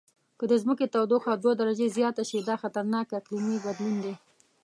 که د ځمکې تودوخه دوه درجې زیاته شي، دا خطرناک اقلیمي بدلون دی.